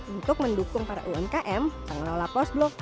untuk mendukung para umkm pengelola post blok